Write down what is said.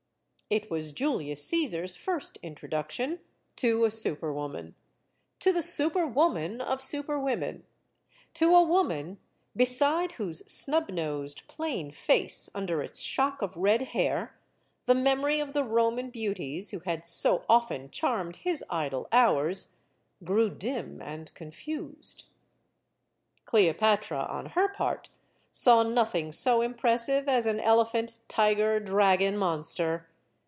It was Julius Caesar's first introduction to a super woman; to the super woman of super women; to a woman beside whose snub nosed, plain face, under its shock of red hair, the memory of the Roman beauties who had so often charmed his idle hours grew dim and confused. Cleopatra, on her part, saw nothing so impressive as an elephant tiger dragon monster.